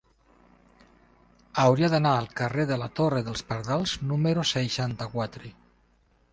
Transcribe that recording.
Hauria d'anar al carrer de la Torre dels Pardals número seixanta-quatre.